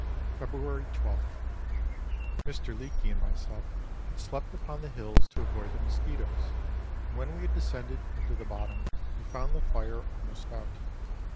February 12th. Mr. Leake and myself had slept upon the hills to avoid the mosquitoes, and when we had descended into the bottom, we found the fire almost out.